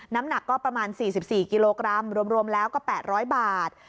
น้ำหนักก็ประมาณ๔๔กิโลกรัมรวมแล้วก็๘๐๐บาท